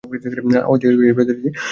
ঐতিহাসিকভাবে এই প্রজাতিটি প্রাচুর্যময়।